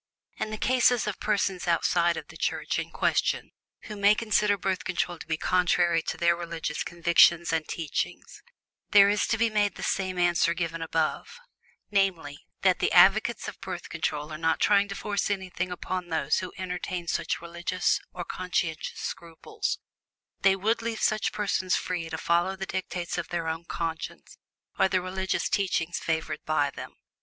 In the cases of persons outside of the Church in question who may consider Birth Control to be contrary to their religious convictions and teachings, there is to be made the same answer given above, namely, that the advocates of Birth Control are not trying to force anything upon those who entertain such religious or conscientious scruples they would leave such persons free to follow the dictates of their own conscience or the religious teachings favored by them.